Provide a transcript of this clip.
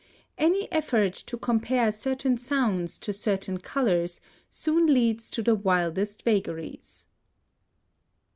(149) Any effort to compare certain sounds to certain colors soon leads to the wildest vagaries.